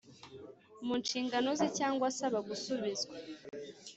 Mu nshingano ze cyangwa asaba gusubizwa